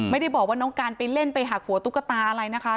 ไม่ได้บอกว่าน้องการไปเล่นไปหักหัวตุ๊กตาอะไรนะคะ